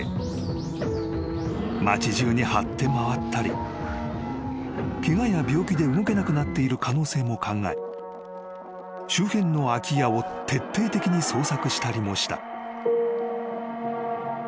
［町じゅうに張って回ったりケガや病気で動けなくなっている可能性も考え周辺の空き家を徹底的に捜索したりもした］